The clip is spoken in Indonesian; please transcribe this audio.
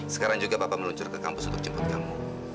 sekarang juga bapak meluncur ke kampus untuk jemput kamu